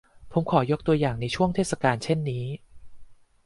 ผมขอยกตัวอย่างในช่วงเทศกาลเช่นนี้